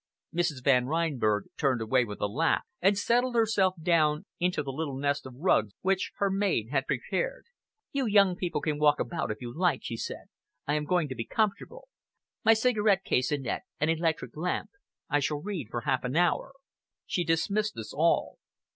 Mrs. Van Reinberg turned away with a laugh, and settled herself down into the little nest of rugs which her maid had prepared. "You young people can walk about, if you like," she said. "I am going to be comfortable. My cigarette case, Annette, and electric lamp. I shall read for half an hour." She dismissed us all.